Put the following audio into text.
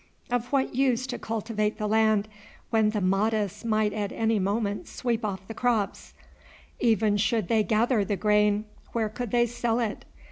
Of what use to cultivate the land when the Mahdists might at any moment sweep off the crops? Even should they gather the grain, where could they sell it?